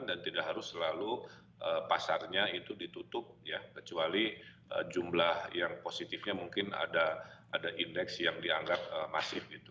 dan tidak harus selalu pasarnya itu ditutup ya kecuali jumlah yang positifnya mungkin ada indeks yang dianggap masif gitu